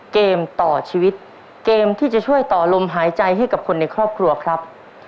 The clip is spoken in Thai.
เกมต่อชีวิตเกมที่จะช่วยต่อลมหายใจให้กับคนในครอบครัวครับ